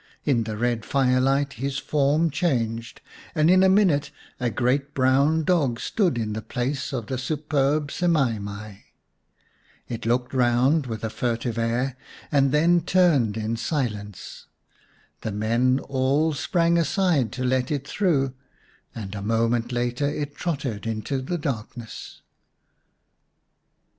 In the red firelight his form changed, and in a minute a great brown 169 The Story of Semai mai xiv dog stood in the place of the superb Semai mai. It looked round with a furtive air, and then turned in silence. The men all sprang aside to let it through, and a moment later it trotted into the darkness.